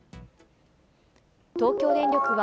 東京電力は、